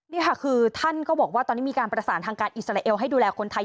นี่ค่ะคือท่านก็บอกว่าตอนนี้มีการประสานทางการอิสราเอลให้ดูแลคนไทย